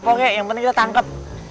oke yang penting kita tangkep